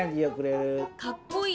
「かっこいい」。